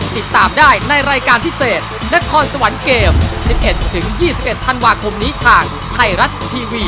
ติดตามได้ในรายการพิเศษนครสวรรค์เกม๑๑๒๑ธันวาคมนี้ทางไทยรัฐทีวี